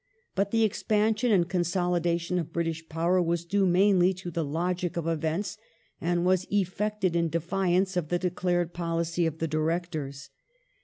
But the ex 1805 1857 pansion and consolidation of British power was due mainly to the logic of events and was effected in defiance of the declared policy of the Directoi s.